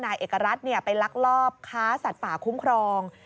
นายเอกรัฐไปลักลอบค้าสัตว์ป่าคุ้มครอง